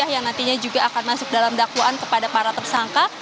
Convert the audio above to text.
yang nantinya juga akan masuk dalam dakwaan kepada para tersangka